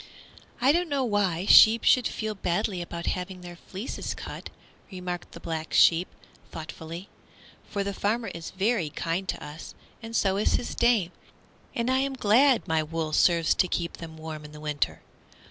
"I don't know why sheep should feel badly about having their fleeces cut," remarked the Black Sheep, thoughtfully, "for the farmer is very kind to us, and so is his dame, and I am glad my wool serves to keep them warm in the winter.